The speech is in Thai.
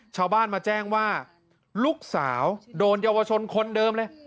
ชาวบ้านมาแจ้งว่าลูกสาวโดนเยาวชนคนเดิมเลย